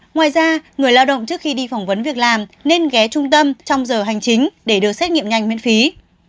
ngoài ra người lao động trước khi đi phỏng vấn việc làm nên ghé trung tâm trong giờ hành chính để được xét nghiệm nhanh miễn phí